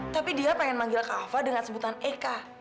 tapi dia pengen manggil kalva dengan sebutan eka